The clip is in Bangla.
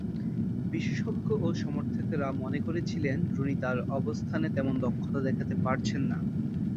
বিশেষজ্ঞ ও সমর্থকেরা মনে করেছিলেন রুনি তার অবস্থানে তেমন দক্ষতা দেখাতে পারছেন না।